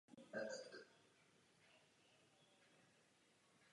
Vládci soustavy samozřejmě velice dobře znají zabezpečení brány na Zemi.